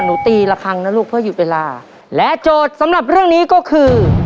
ตีละครั้งนะลูกเพื่อหยุดเวลาและโจทย์สำหรับเรื่องนี้ก็คือ